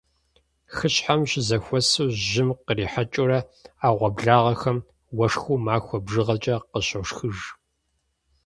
Хыщхьэм щызэхуэсу, жьым кърихьэкӀыурэ Ӏэгъуэблагъэхэм уэшхыу махуэ бжыгъэкӀэ къыщошхыж.